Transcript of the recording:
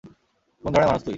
কোন ধরনের মানুষ তুই?